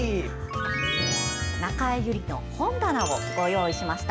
「中江有里の本棚」をご用意しました。